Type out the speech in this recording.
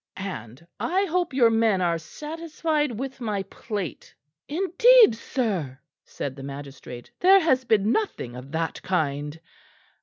And I hope your men are satisfied with my plate." "Indeed, sir," said the magistrate, "there has been nothing of that kind.